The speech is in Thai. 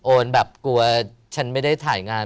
แบบกลัวฉันไม่ได้ถ่ายงาน